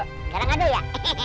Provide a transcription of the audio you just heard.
sekarang ada ya